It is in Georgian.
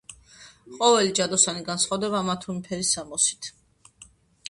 ყოველი ჯადოსანი განსხვავდებოდა ამა თუ იმ ფერის სამოსით.